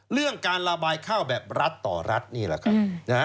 เรื่องการระบายข้าวแบบรัฐต่อรัฐนี่แหละครับ